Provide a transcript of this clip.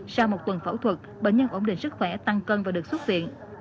sau một tuần phẫu thuật bệnh nhân ổn định sức khỏe tăng cân và được xuất viện